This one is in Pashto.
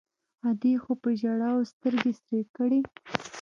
ادې خو په ژړاوو سترګې سرې کړې.